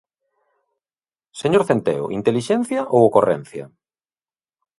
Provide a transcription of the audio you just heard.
Señor Centeo, ¿intelixencia ou ocorrencia?